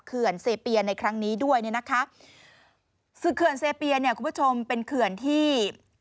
เขื่อนเซเปียในครั้งนี้ด้วยเนี่ยนะคะคือเขื่อนเซเปียเนี่ยคุณผู้ชมเป็นเขื่อนที่